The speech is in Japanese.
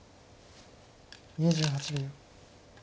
２８秒。